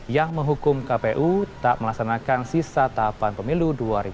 yang menghukum kpu tak melaksanakan sisa tahapan pemilu dua ribu dua puluh